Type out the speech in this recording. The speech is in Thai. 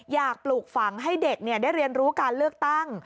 ปลูกฝังให้เด็กได้เรียนรู้การเลือกตั้ง